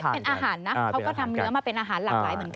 เป็นอาหารนะเขาก็ทำเนื้อมาเป็นอาหารหลากหลายเหมือนกัน